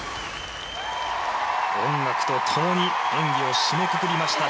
音楽と共に演技を締めくくりました。